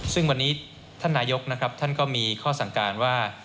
ซึ่งวันนี้ท่านนายกท่านก็มีข้อสังการณ์ว่า